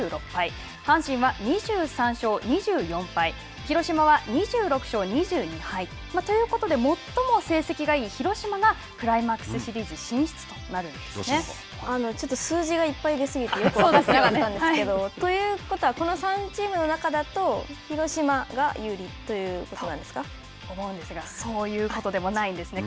阪神は２３勝２４敗広島は２６勝２２敗。ということで、最も成績がいい広島がクライマックスシリーズ進出となちょっと数字がいっぱい出過ぎてよく分かってなかったんですけどということはこの３チームの中だと広島が有利ということなんですか。と思うんですが、そういうことでもないんですね。